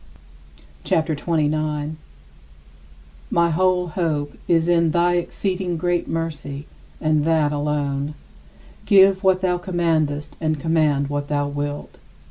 CHAPTER XXIX 40. My whole hope is in thy exceeding great mercy and that alone. Give what thou commandest and command what thou wilt.